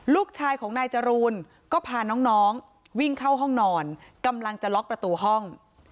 ลูกชายของนายจรูนก็พาน้องวิ่งเข้าห้องนอนกำลังจะล็อกประตูห้อง